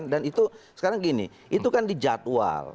itu sekarang gini itu kan di jadwal